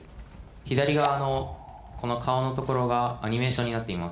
左側のこの顔のところがアニメーションになっています。